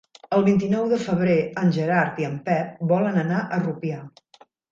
El vint-i-nou de febrer en Gerard i en Pep volen anar a Rupià.